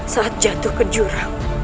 saat jatuh ke jurang